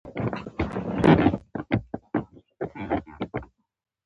خوله یې د ښار خواته وه.